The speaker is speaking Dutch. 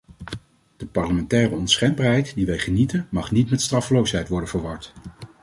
De parlementaire onschendbaarheid die wij genieten, mag niet met straffeloosheid worden verward.